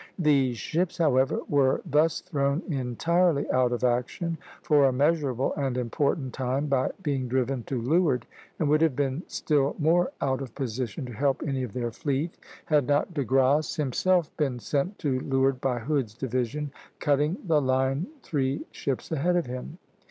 These ships, however, were thus thrown entirely out of action for a measurable and important time by being driven to leeward, and would have been still more out of position to help any of their fleet, had not De Grasse himself been sent to leeward by Hood's division cutting the line three ships ahead of him.